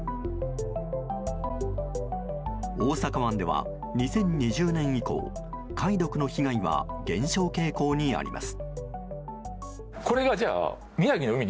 大阪湾では２０２０年以降貝毒の被害は減少傾向にあります。